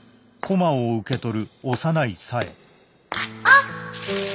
あっ！